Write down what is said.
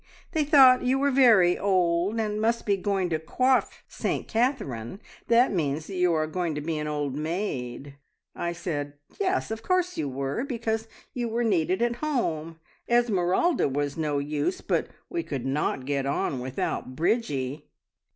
They thought you were very old, and must be going to coif Saint Catherine. That means that you are going to be an old maid. I said yes, of course you were, because you were needed at home. Esmeralda was no use, but we could not get on without Bridgie!"